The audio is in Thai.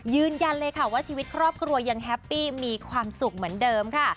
ยืนยันเลยค่ะว่าชีวิตครอบครัวยังแฮปปี้มีความสุขเหมือนเดิมค่ะ